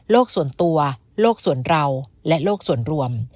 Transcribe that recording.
ส่วนตัวโลกส่วนเราและโลกส่วนรวม